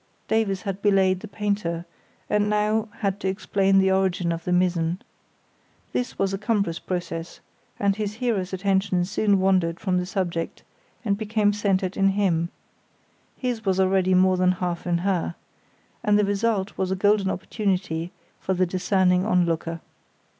Davies had belayed the painter, and now had to explain the origin of the mizzen. This was a cumbrous process, and his hearer's attention soon wandered from the subject and became centred in him—his was already more than half in her—and the result was a golden opportunity for the discerning onlooker.